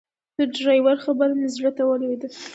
د ډرایور خبره مې زړه ته ولوېده.